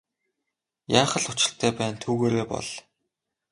Яах л учиртай байна түүгээрээ бол.